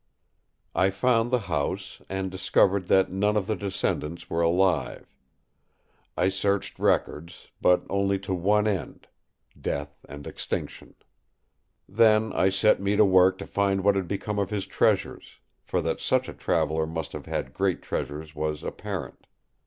I found the house, and discovered that none of the descendants were alive. I searched records; but only to one end—death and extinction. Then I set me to work to find what had become of his treasures; for that such a traveller must have had great treasures was apparent.